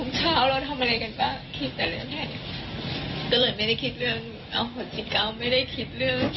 ไม่ได้คิด